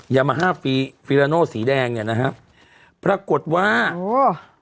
ยามาฮาฟีฟีราโนสีแดงเนี่ยนะฮะปรากฏว่าโอ้